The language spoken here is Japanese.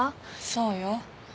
そうよ。